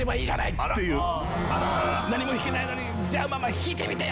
「弾けないのにじゃあママ弾いてみてよ！」